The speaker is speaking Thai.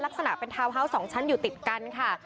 ลักษณะเป็นทาวน์ฮาวส์๒ชั้นอยู่ติดกันค่ะ